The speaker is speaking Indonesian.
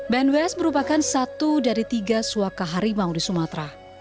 bnws merupakan satu dari tiga suaka harimau di sumatera